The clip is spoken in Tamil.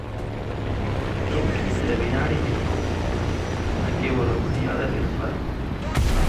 தொட்டில் சில வினாடி நிற்கும் அங்கே ஒரு பணியாளர் இருப்பார்.